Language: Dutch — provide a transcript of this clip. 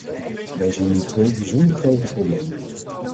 Wij zien hier twee bijzonder grote problemen.